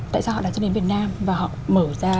tại sao họ đã cho đến việt nam và họ mở ra